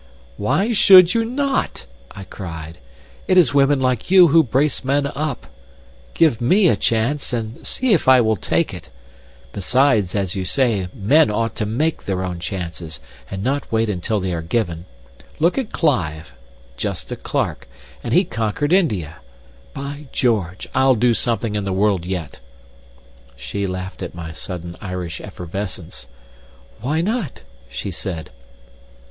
"Why should you not?" I cried. "It is women like you who brace men up. Give me a chance, and see if I will take it! Besides, as you say, men ought to MAKE their own chances, and not wait until they are given. Look at Clive just a clerk, and he conquered India! By George! I'll do something in the world yet!" She laughed at my sudden Irish effervescence. "Why not?" she said.